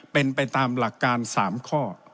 เป็นไปตามหลักการ๓ข้อ